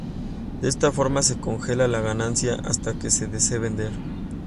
De esta forma se congela la ganancia hasta que se desee vender.